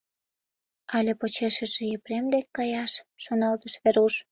«Ала почешыже Епрем дек каяш», — шоналтыш Веруш.